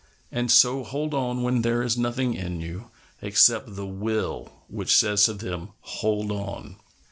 And so hold on when there is nothing in you Except the Will which says to them: 'Hold on!'